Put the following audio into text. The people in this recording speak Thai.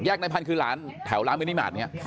แยกในพันธุ์คือแถวร้านมินิมาตรนี้